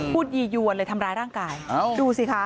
ยียวนเลยทำร้ายร่างกายดูสิคะ